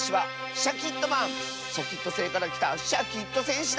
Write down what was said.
シャキットせいからきたシャキットせんしだ！